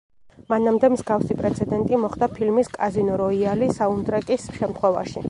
მანამდე მსგავსი პრეცედენტი მოხდა ფილმის „კაზინო როიალი“ საუნდტრეკის შემთხვევაში.